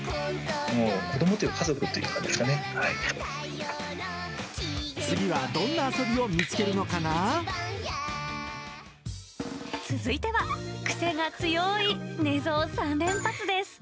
もう子どもというか、次はどんな遊びを見つけるの続いては、癖が強い寝相３連発です。